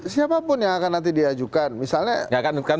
siapapun yang akan nanti diajukan misalnya